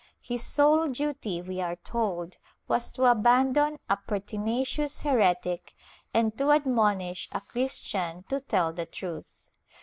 His sole duty, we are told, was to abandon a pertinacious heretic and to admonish a Christian to tell the truth.